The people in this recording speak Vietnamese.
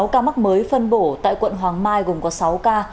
hai mươi sáu ca mắc mới phân bổ tại quận hoàng mai gồm có sáu ca